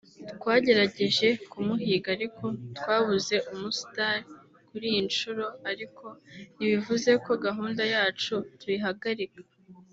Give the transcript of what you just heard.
twagerageje kumuhiga ariko twabuze umu star kuri iyi nshuro ariko ntibivuze ko gahunda yacu tuyihagarika